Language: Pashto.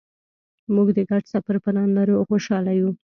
مونږ د ګډ سفر پلان لرو او خوشحاله یو